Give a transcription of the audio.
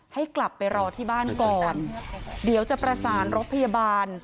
ให้กลับไปรอที่บ้านก่อนเดี๋ยวจะประสานรถพยาบาล